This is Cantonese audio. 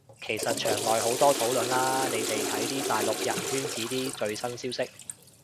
其實牆內好多討論啦，你哋睇啲大陸人圈子啲消息最新